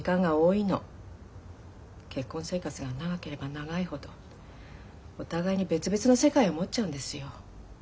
結婚生活が長ければ長いほどお互いに別々の世界を持っちゃうんですよ。